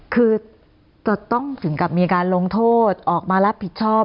คือจะต้องถึงกับมีการลงโทษออกมารับผิดชอบ